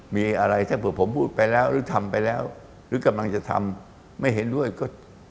มีอะไรถ้าเผื่อผมพูดไปแล้วหรือทำไปแล้วหรือกำลังจะทำไม่เห็นด้วยก็